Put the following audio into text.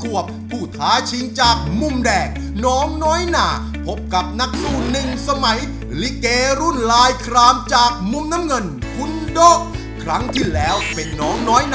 เวทีมาร้องบ้างครับผม